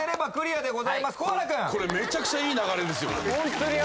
これめちゃくちゃいい流れですよ